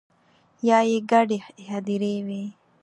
یا يې ګډې هديرې وي